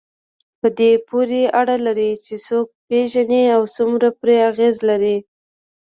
په دې پورې اړه لري چې څوک پېژنئ او څومره پرې اغېز لرئ.